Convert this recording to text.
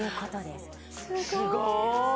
すごーい！